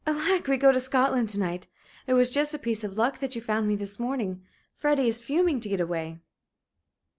"Alack! we go to Scotland to night! It was just a piece of luck that you found me this morning. Freddie is fuming to get away."